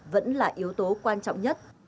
vẫn là yếu tố quan trọng nhất